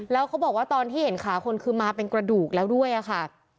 แล้วเขาบอกว่าตอนที่เห็นขาคนคือมาเป็นกระดูกแล้วด้วยค่ะ